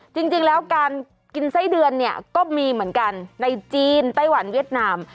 จริงแล้วการกินไส้เดือนเนี่ยก็มีเหมือนกันในจีนไต้หวันเวียดนาม